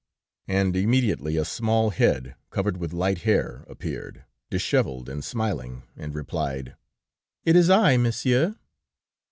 '" "And immediately, a small head, covered with light hair, appeared, disheveled and smiling, and replied:" "'It is I, Monsieur.'"